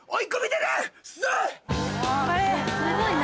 すごいな。